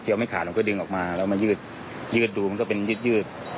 ไม่ขาดมันก็ดึงออกมาแล้วมายืดยืดดูมันก็เป็นยืด